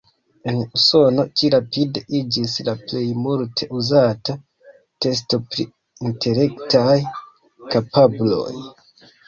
En Usono ĝi rapide iĝis la plej multe uzata testo pri intelektaj kapabloj.